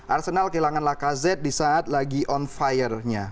arsenal kehilangan lacazette di saat lagi on fire nya